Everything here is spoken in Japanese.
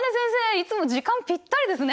いつも時間ぴったりですね。